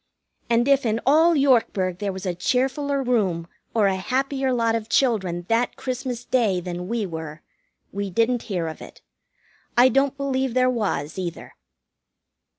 And if in all Yorkburg there was a cheerfuller room or a happier lot of children that Christmas Day than we were, we didn't hear of it. I don't believe there was, either.